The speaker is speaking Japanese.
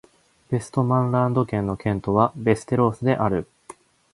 ヴェストマンランド県の県都はヴェステロースである